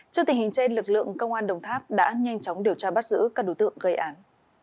trước tình hình trên lực lượng công an đồng tháp đã nhanh chóng điều tra bắt giữ các đối tượng gây án